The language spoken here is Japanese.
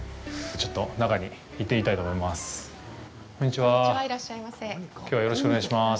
ちょっと中に行ってみたいと思います。